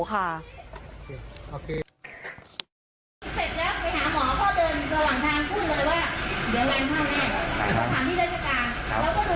เสร็จแล้วไปหาหมอก็เดินระหว่างทางกูเลยว่า